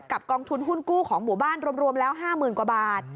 กองทุนหุ้นกู้ของหมู่บ้านรวมแล้ว๕๐๐๐กว่าบาท